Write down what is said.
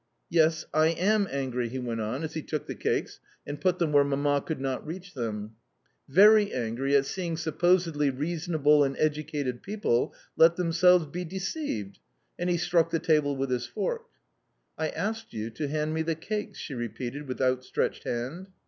"Yes, I AM angry," he went on as he took the cakes and put them where Mamma could not reach them, "very angry at seeing supposedly reasonable and educated people let themselves be deceived," and he struck the table with his fork. "I asked you to hand me the cakes," she repeated with outstretched hand.